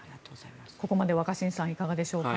ここまで若新さんいかがでしょうか。